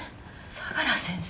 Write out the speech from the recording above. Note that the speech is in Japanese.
相良先生。